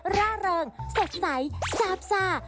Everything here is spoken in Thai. ร่าเริงเสร็จใสซาบซา